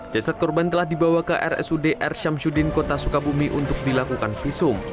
jasad korban telah dibawa ke rsud r syamsuddin kota sukabumi untuk dilakukan visum